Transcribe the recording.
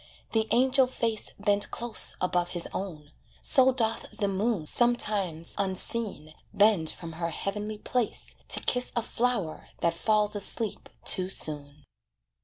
The angel face Bent close above his own. So doth the moon Sometimes, unseen, bend from her heavenly place, To kiss a flower that falls asleep too soon.